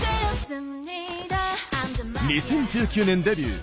２０１９年デビュー。